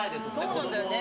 そうなんですよね。